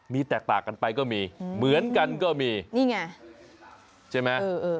มีแตกต่างกันไปก็มีเหมือนกันก็มีนี่ไงใช่ไหม